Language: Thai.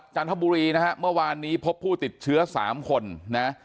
จันทบุรีนะฮะเมื่อวานนี้พบผู้ติดเชื้อ๓คนนะ